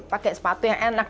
pakai sepatu yang enak